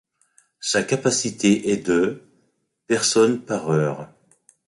Sa capacité est de personnes par heure.